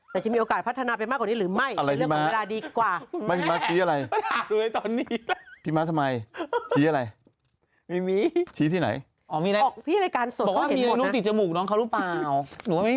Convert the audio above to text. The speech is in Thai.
แต่จะมีโอกาสพัฒนาไปมากกว่านี้หรือไม่